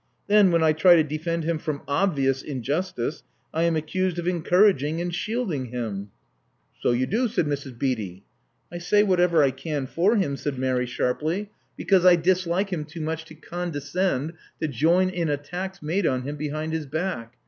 Then, when I try to defend him from obvious injustice, I am accused of encouraging and shielding him." So you do^" said Mrs. Beatty. I say whatever I can for him," said Mary sharply. 38 Love Among the Artists '^because I dislike him too much to condescend to join in attacks made on him behind his back.